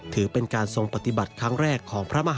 ถือเป็นการส่งปฏิบัติครั้งแรก